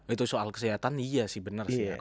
itu soal kesehatan iya sih benar sih